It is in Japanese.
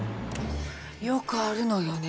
よくあるのよね。